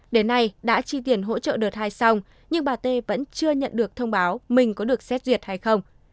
đến nay đã chi tiền hỗ trợ đợt hai xong nhưng bà t vẫn chưa nhận được thông báo mình có được xét duyệt hay không